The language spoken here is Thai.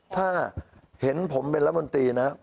ถ้าเห็นผมเป็นรัฐมนตรีนะ